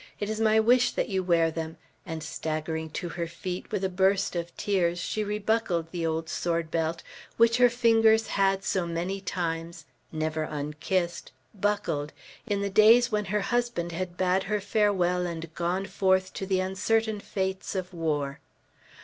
"It is my wish that you wear them;" and staggering to her feet, with a burst of tears, she rebuckled the old sword belt, which her fingers had so many times never unkissed buckled, in the days when her husband had bade her farewell and gone forth to the uncertain fates of war.